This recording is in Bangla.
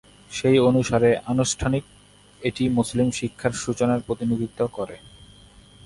সেই অনুসারে, আনুষ্ঠানিক এটি মুসলিম শিক্ষার সূচনার প্রতিনিধিত্ব করে।